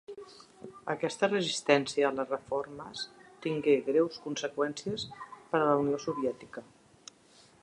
Aquesta resistència a les reformes tingué greus conseqüències per a la Unió Soviètica.